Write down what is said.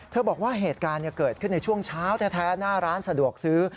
บอกว่าเหตุการณ์เกิดขึ้นในช่วงเช้าแท้หน้าร้านสะดวกซื้อ